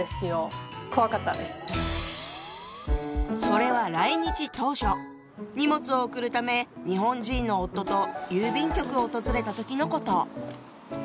それは来日当初荷物を送るため日本人の夫と郵便局を訪れた時のこと。